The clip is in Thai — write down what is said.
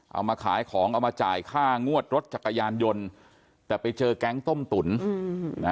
เอามาขายของเอามาจ่ายค่างวดรถจักรยานยนต์แต่ไปเจอแก๊งต้มตุ๋นนะ